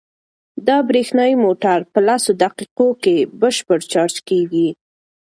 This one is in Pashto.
دا برېښنايي موټر په لسو دقیقو کې بشپړ چارج کیږي.